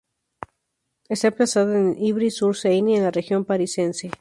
Está emplazada en Ivry-sur-Seine, en la región parisiense.